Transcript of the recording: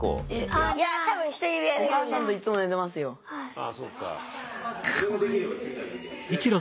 ああそうか。